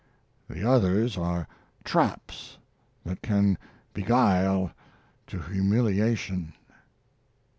The others are traps that can beguile to humiliation.